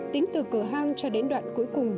tính từ cửa hang cho đến đoạn cuối cùng